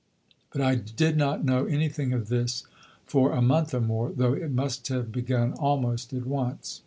But I did not know anything of this for a month or more, though it must have begun almost at once.